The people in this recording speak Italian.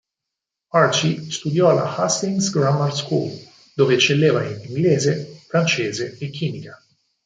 Archie studiò alla Hastings Grammar School, dove eccelleva in Inglese, Francese e Chimica.